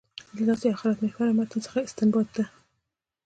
له داسې آخرت محوره متن څخه استنباط ده.